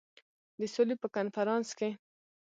د سولي په کنفرانس کې.